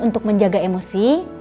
untuk menjaga emosi